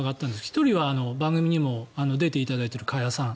１人は番組にも出ていただいている加谷さん。